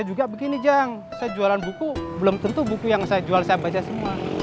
saya juga begini jang saya jualan buku belum tentu buku yang saya jual saya baca semua